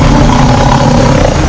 kurang dengar ini